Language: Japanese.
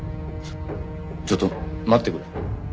ちょっと待ってくれ。